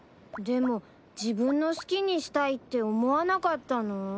でも自分の好きにしたいって思わなかったの？